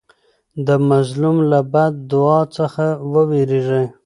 د مظلوم له بد دعا څخه وویریږئ.